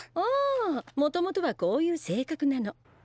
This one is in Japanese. ああもともとはこういう性格なの。